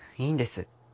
いいんです。